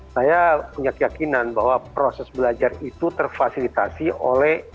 saya punya keyakinan bahwa proses belajar itu terfasilitasi oleh